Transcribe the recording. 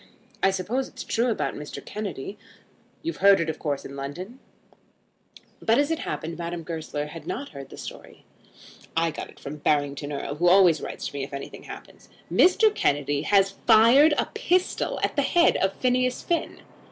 "I suppose it's true about Mr. Kennedy. You've heard of it of course in London." But as it happened Madame Goesler had not heard the story. "I got it from Barrington Erle, who always writes to me if anything happens. Mr. Kennedy has fired a pistol at the head of Phineas Finn."